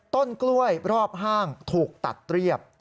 ต้นกล้วยรอบห้างถูกตัดเรียบ